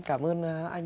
cảm ơn em